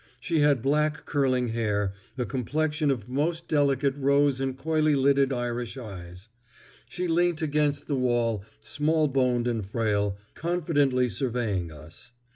She had black curling hair, a complexion of most delicate rose and coyly lidded Irish eyes. She leant against the wall, small boned and frail, confidently surveying us.